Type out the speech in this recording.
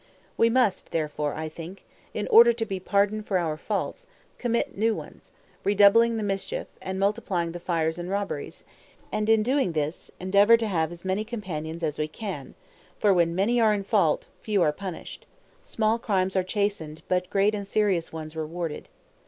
We must, therefore, I think, in order to be pardoned for our faults, commit new ones; redoubling the mischief, and multiplying fires and robberies; and in doing this, endeavor to have as many companions as we can; for when many are in fault, few are punished; small crimes are chastised, but great and serious ones rewarded.